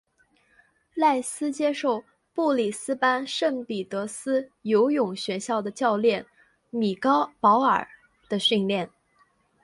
赖斯接受布里斯班圣彼得斯游泳学校的教练米高保尔的训练。